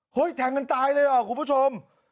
แทงกันตายเลยเหรอคุณผู้ชม